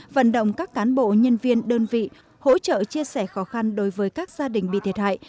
vận động các cán bộ nhân viên đơn vị hỗ trợ chia sẻ khó khăn đối với các gia đình bị thiệt hại